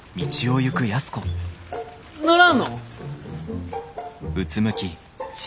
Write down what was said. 乗らんのん？